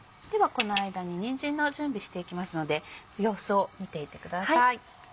この間ににんじんの準備していきますので様子を見ていてください。